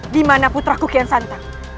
dimana putra kukian santang